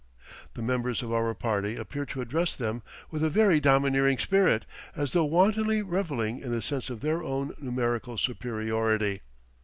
The members of our party appear to address them with a very domineering spirit, as though wantonly revelling in the sense of their own numerical superiority.